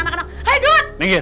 bisa ada laki laki di sini